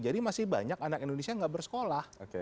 jadi masih banyak anak indonesia yang tidak bersekolah